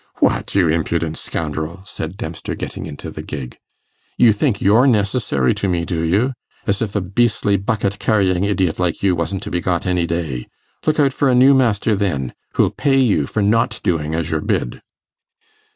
'What, you impudent scoundrel,' said Dempster, getting into the gig, 'you think you're necessary to me, do you? As if a beastly bucket carrying idiot like you wasn't to be got any day. Look out for a new master, then, who'll pay you for not doing as you're bid.